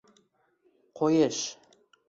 qo'yish